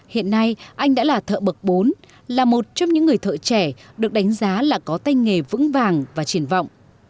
hiện nay anh đã là thợ bậc bốn là một trong những người thợ trẻ được đánh giá là có tay nghề vững vàng và triển vọng